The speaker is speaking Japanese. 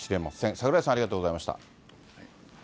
櫻井さん、ありがとうございました。